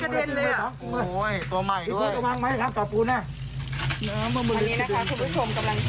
โอ้โฮพวกมึงข้าจะลงโทษอย่างหนัก